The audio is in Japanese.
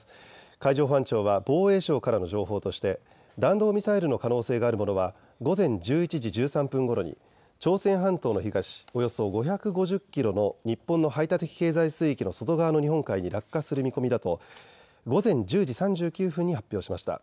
海上保安庁は防衛省からの情報として弾道ミサイルの可能性があるものは午前１１時１３分ごろに朝鮮半島の東およそ５５０キロの日本の排他的経済水域の外側の日本海に落下する見込みだと午前１０時３９分に発表しました。